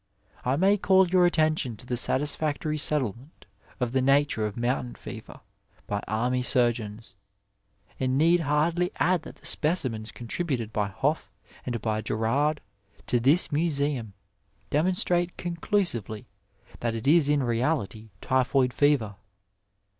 I may call your attention to the satisfactory settiement of the nature of mountain fever by army surgeons, and need hardly add that the specimens contributed by Hoff and by Girard to this museum demonstrate conclusively that it is in reality typhoid fever.